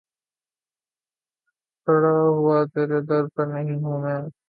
دائم پڑا ہوا تیرے در پر نہیں ہوں میں